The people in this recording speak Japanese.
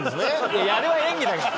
いやあれは演技だから。